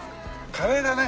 カレーだね。